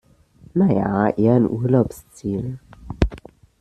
Na ja, eher ein Urlaubsziel.